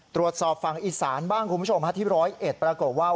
ตรวจสอบฟังอิสราณบ้างคุณผู้ชมที่๑๐๑ปรากฏว่า